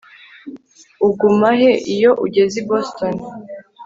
Uguma he iyo ugeze i Boston